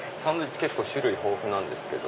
結構種類豊富なんですけど。